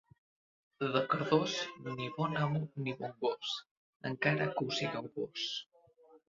De Cardós, ni bon amo ni bon gos, encara que ho sigueu vós.